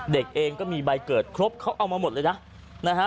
เด็กเองก็มีใบเกิดครบเขาเอามาหมดเลยนะนะฮะ